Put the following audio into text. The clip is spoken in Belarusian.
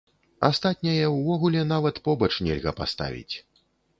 Астатняе увогуле нават побач нельга паставіць.